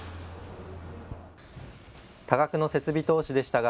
多額の設備投資でしたが